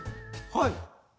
はい？